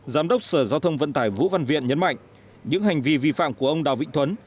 giám đốc sở giao thông vận tải vũ văn viện nhấn mạnh những hành vi vi phạm của ông đào vĩnh thuấn